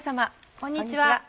こんにちは。